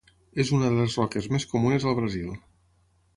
És una de les roques més comunes al Brasil.